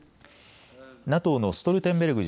ＮＡＴＯのストルテンベルグ